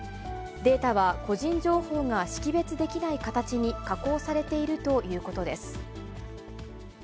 データは個人情報が識別できない形に加工されているということです。